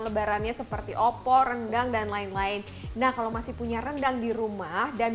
lebarannya seperti opo rendang dan lain lain nah kalau masih punya rendang di rumah dan